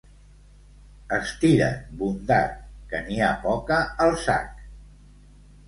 Estira't, bondat, que n'hi ha poca al sac.